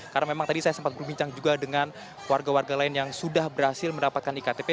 karena memang tadi saya sempat berbincang juga dengan warga warga lain yang sudah berhasil mendapatkan iktp